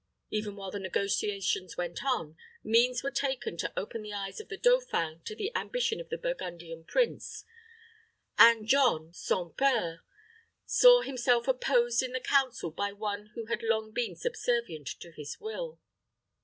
Even while the negotiations went on, means were taken to open the eyes of the dauphin to the ambition of the Burgundian prince; and John, sans peur, saw himself opposed in the council by one who had long been subservient to his will.